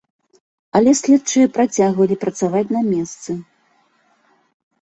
Але следчыя працягвалі працаваць на месцы.